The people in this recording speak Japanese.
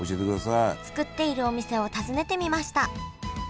作っているお店を訪ねてみました。